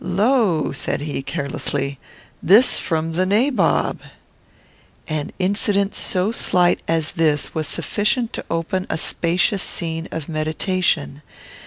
"Lo!" said he, carelessly, "this from the Nabob!" An incident so slight as this was sufficient to open a spacious scene of meditation.